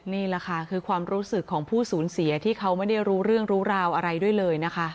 นี่แหละค่ะคือความรู้สึกของผู้สูญเสียที่เขาไม่ได้รู้เรื่องรู้ราวอะไรด้วยเลยนะคะ